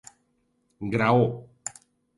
Graó.